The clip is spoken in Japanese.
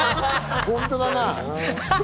本当だな。